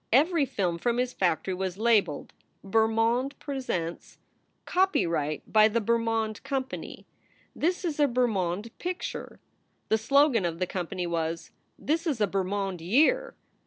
Every film from his factory was labeled: "Bermond presents ";" Copyright by the Bermond Company"; "This is a Ber mond picture"; The slogan of the company was, "This is a Bermond year."